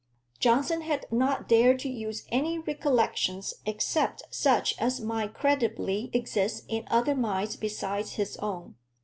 Johnson had not dared to use any recollections except such as might credibly exist in other minds besides his own.